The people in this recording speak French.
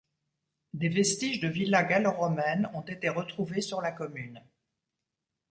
Des vestiges de villa gallo-romaine ont été retrouvés sur la commune.